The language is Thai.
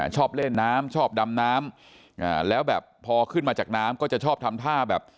ชอบเล่นน้ำชอบดำน้ำแล้วแบบพอขึ้นมาจากน้ำก็จะชอบทำท่าแบบ